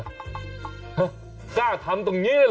ฮะคุณกล้าทำตรงนี้เหรอ